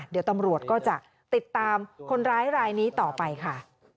เดี๋ยวตำรวจก็จะติดตามคนร้ายรายนี้ต่อไปค่ะ